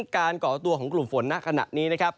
การเกาะตัวของกลุ่มฝนน่ะขณะนี้นะครับ